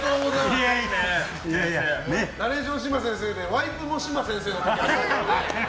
ナレーション嶋先生でワイプも嶋先生の時ありましたね。